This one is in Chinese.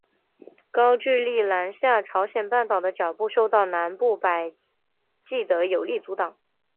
高句丽南下朝鲜半岛的脚步受到南部百济的有力阻挡。